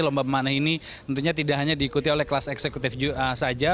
lomba memanah ini tentunya tidak hanya diikuti oleh kelas eksekutif saja